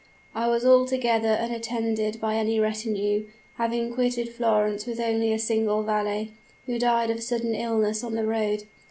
"I was altogether unattended by any retinue, having quitted Florence with only a single valet, who died of sudden illness on the road.